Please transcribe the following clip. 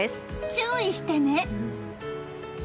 注意してね！